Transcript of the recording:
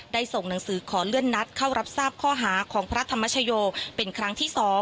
ส่งหนังสือขอเลื่อนนัดเข้ารับทราบข้อหาของพระธรรมชโยเป็นครั้งที่๒